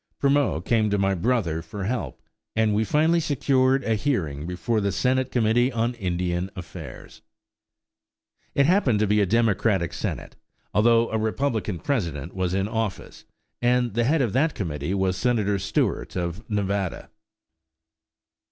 Primeau came to my brother for help; and we finally secured a hearing before the Senate Committee on Indian Affairs. It happened to be a Democratic Senate, although a Republican President was in office; and the head of that committee was Senator Stewart of Nevada.